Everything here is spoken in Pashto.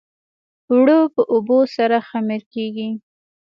اوړه په اوبو سره خمیر کېږي